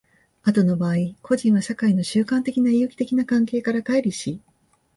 後の場合、個人は社会の習慣的な有機的な関係から乖離し、